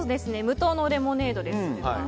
無糖のレモネードです。